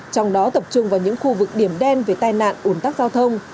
trong đó tập trung vào những khu vực điểm đen về tai nạn ủn tắc giao thông